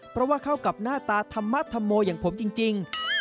เพราะว่าเข้ากับหน้าตาธรรมโมอย่างผมจริง